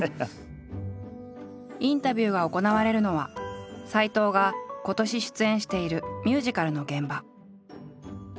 インタビューが行われるのは斎藤が今年出演しているミュージカルの現場。